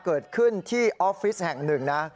เกิดขึ้นที่ออฟฟิศแห่งหนึ่งนะ